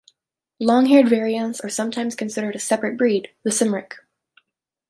Long-haired variants are sometimes considered a separate breed, the Cymric.